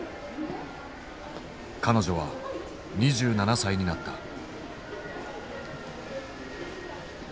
彼女は２７歳になった。